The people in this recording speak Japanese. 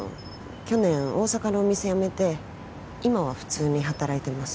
去年大阪のお店やめて今は普通に働いてます